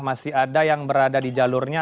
masih ada yang berada di jalurnya